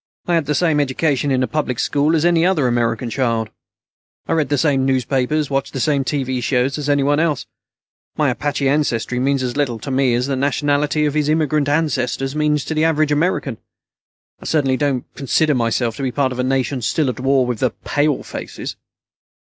I had the same education in a public school as any other American child. I read the same newspapers and watch the same TV shows as anyone else. My Apache ancestry means as little to me as the nationality of his immigrant ancestors means to the average American. I certainly don't consider myself to be part of a nation still at war with the 'palefaces'."